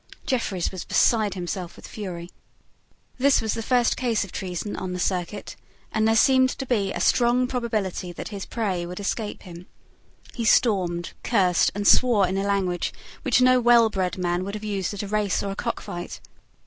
Jeffreys was beside himself with fury. This was the first case of treason on the circuit; and there seemed to be a strong probability that his prey would escape him. He stormed, cursed, and swore in language which no wellbred man would have used at a race or a cockfight.